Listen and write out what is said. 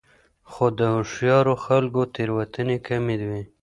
خو د هوښیارو خلکو تېروتنې کمې وي.